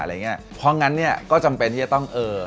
เพราะงั้นเนี่ยก็จำเป็นที่จะต้องเออ